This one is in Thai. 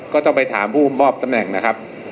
ก็ต้องไปถามผู้มอบตำแหน่งนะครับ